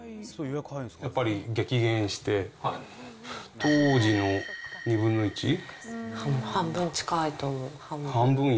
やっぱり激減して、当時の２分の１。半分近いと思う。